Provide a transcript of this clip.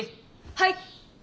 はい！